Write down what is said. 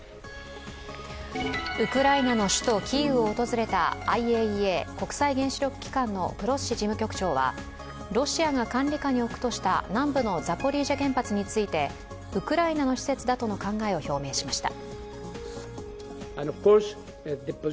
ウクライナの首都キーウを訪れたＩＡＥＡ＝国際原子力機関のグロッシ事務局長はロシアが管理下に置くとした南部のザポリージャ原発についてウクライナの施設だとの考えを表明しました。